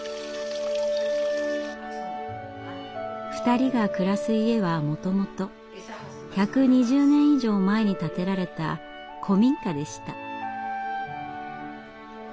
２人が暮らす家はもともと１２０年以上前に建てられた古民家でした。